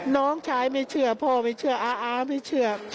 น้องชายไม่เชื่อพ่อไม่เชื่ออาไม่เชื่อ